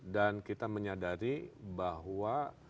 dan kita menyadari bahwa